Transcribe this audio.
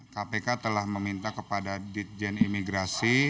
kpk telah meminta kepada ditjen imigrasi